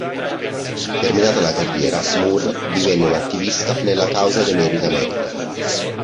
Terminata la carriera, Moore divenne un attivista nella causa dei Neri d'America.